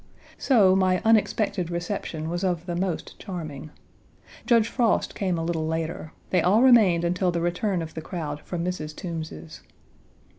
So my unexpected reception was of the most charming. Judge Frost came a little later. They all remained until the return of the crowd from Mrs. Toombs's.